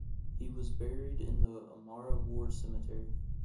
He was buried in the Amara War Cemetery.